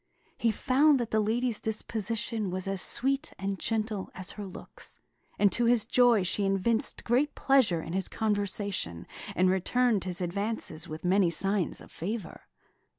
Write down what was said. He found that the lady's disposition was as sweet and gentle as her looks; and to his joy she evinced great pleasure in his conversation, and returned his advances with many signs of favour.